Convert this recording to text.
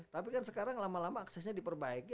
tapi kan sekarang lama lama aksesnya diperbaiki